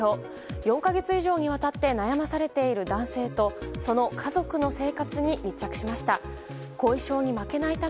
４か月以上にわたって悩まされている男性とその家族の生活に密着しました。